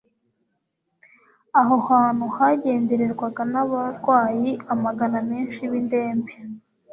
Aho hantu hagendererwaga n'abamvayi amagana menshi b'indembe;